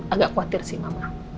agak khawatir sih mama